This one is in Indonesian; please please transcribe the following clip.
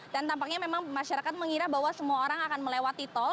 dan tampaknya memang masyarakat mengira bahwa semua orang akan melewati tol